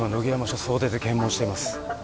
署総出で検問しています。